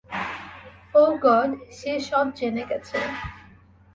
ওহ God, সে সব জেনে গেছে।